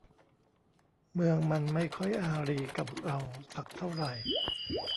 เมืองมันไม่ค่อยอารีกับเราสักเท่าไหร่